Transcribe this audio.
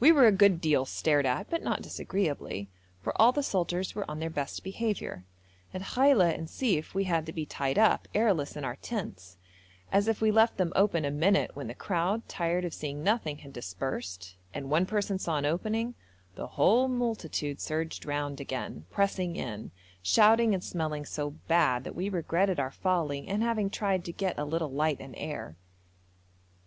We were a good deal stared at, but not disagreeably, for all the soldiers were on their best behaviour. At Khaila and Sief we had to be tied up, airless, in our tents, as if we left them open a minute when the crowd, tired of seeing nothing, had dispersed, and one person saw an opening, the whole multitude surged round again, pressing in, shouting and smelling so bad that we regretted our folly in having tried to get a little light and air.